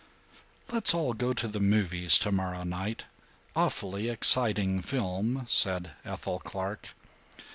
"Let's all go to the movies tomorrow night. Awfully exciting film," said Ethel Clark.